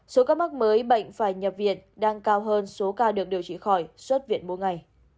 số ca mắc mới bệnh phải nhập viện đang cao hơn số ca được điều trị khỏi xuất viện mỗi ngày